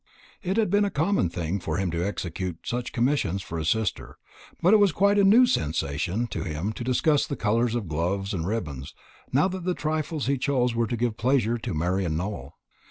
It had been a common thing for him to execute such commissions for his sister; but it was quite a new sensation to him to discuss the colours of gloves and ribbons, now that the trifles he chose were to give pleasure to Marian Nowell.